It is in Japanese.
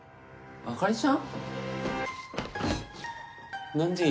あかりちゃん？